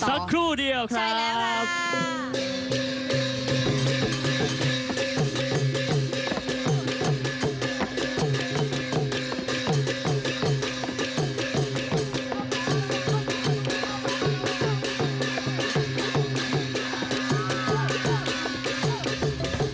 สักครู่เดียวครับ